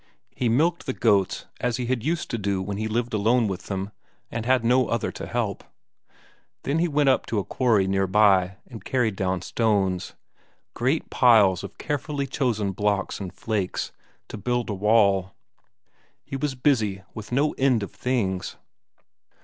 He milked the goats as he had used to do when he lived alone with them and had no other to help; then he went up to a quarry near by and carried down stones; great piles of carefully chosen blocks and flakes, to build a wall. He was busy with no end of things.